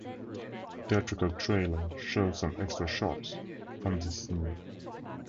Theatrical trailer shows some extra shots from this scene.